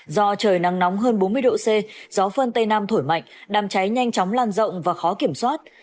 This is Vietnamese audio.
do trời nắng nóng hơn bốn mươi độ c gió phân tây nam thổi mạnh đàm cháy nhanh chóng lan rộng và khó kiểm soát